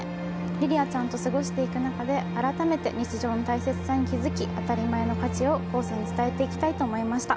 リリアちゃんと過ごしていく中で改めて日常の大切さに気付き「当たり前」の価値を、後世に伝えていきたいと思いました。